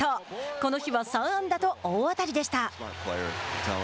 この日は３安打と大当たりでした。